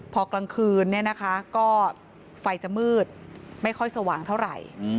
พอกลางคืนก็ไฟจะมืดไม่ค่อยสว่างเท่าไหร่